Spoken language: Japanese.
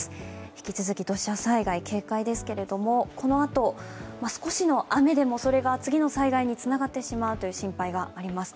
引き続き土砂災害に警戒ですけれども、このあと少しの雨でもそれが次の災害につながってしまう心配があります。